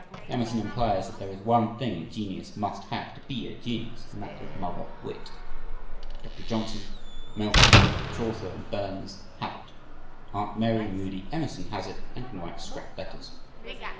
Emerson implies that there is one thing a genius must have to be a genius and that is "mother wit." ... "Doctor Johnson, Milton, Chaucer, and Burns had it. Aunt Mary Moody Emerson has it and can write scrap letters.